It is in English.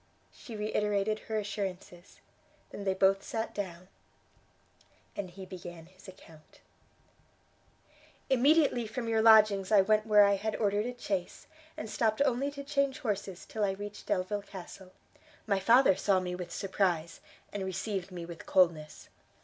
She reiterated her assurances; they then both sat down, and he began his account. "Immediately from your lodgings I went where I had ordered a chaise, and stopped only to change horses till I reached Delvile Castle. My father saw me with surprise, and received me with coldness.